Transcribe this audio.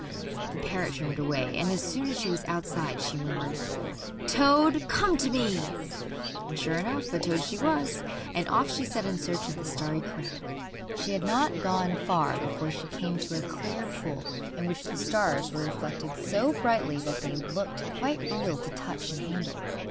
The parrot turned away, and as soon as she was outside she murmured: 'Toad, come to me!' And sure enough a toad she was, and off she set in search of the starry crown. She had not gone far before she came to a clear pool, in which the stars were reflected so brightly that they looked quite real to touch and handle.